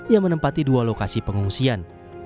yang menempati dua lokasi pengungsian